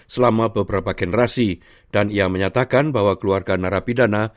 selama beberapa generasi dan ia menyatakan bahwa keluarga narapidana